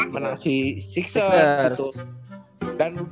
menang si enam ers gitu